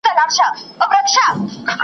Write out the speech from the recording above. د اولیاوو د شیخانو مجلسونه کیږي .